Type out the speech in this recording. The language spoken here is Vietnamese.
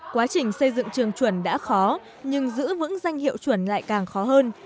quá trình xây dựng trường chuẩn đã khó nhưng giữ vững danh hiệu chuẩn lại càng khó hơn